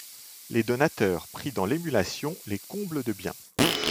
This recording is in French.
Les donateurs, pris dans l'émulation, les comblent de biens.